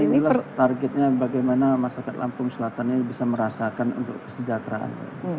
inilah targetnya bagaimana masyarakat lampung selatan ini bisa merasakan untuk kesejahteraan